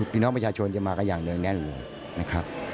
พี่น้องประชาชนจะมากันอย่างเนื่องแน่นเลยนะครับ